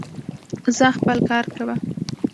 ځاا خپل کار کوه